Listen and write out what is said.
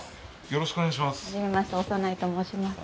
よろしくお願いします。